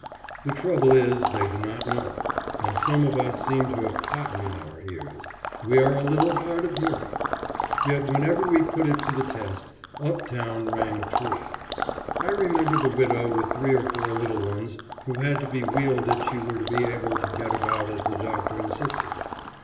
The trouble is, they do not know, and some of us seem to have cotton in our ears: we are a little hard of hearing. Yet, whenever we put it to the test, up town rang true. I remember the widow with three or four little ones who had to be wheeled if she were to be able to get about as the doctor insisted.